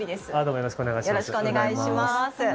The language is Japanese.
よろしくお願いします。